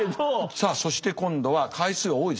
さあそして今度は回数が多いですね